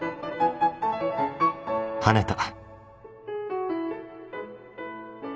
跳ねた